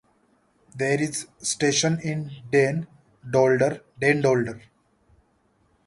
There is a station in Den Dolder - Den Dolder.